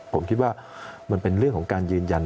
ผมคิดว่ามันเป็นเรื่องของการยืนยัน